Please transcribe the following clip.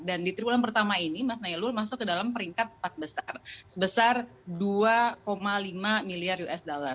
dan di triwulan pertama ini mas nailul masuk ke dalam peringkat empat besar sebesar dua lima miliar usd